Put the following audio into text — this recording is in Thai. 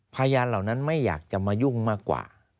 เหล่านั้นไม่อยากจะมายุ่งมากกว่า